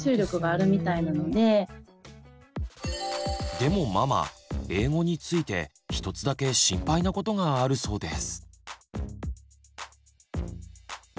でもママ英語について１つだけ心配なことがあるそうです。